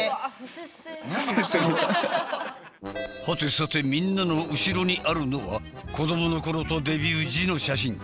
この当時ははてさてみんなの後ろにあるのは子どもの頃とデビュー時の写真。